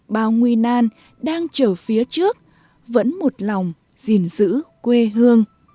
bao nguy nan đang trở phía trước vẫn một lòng gìn giữ quê hương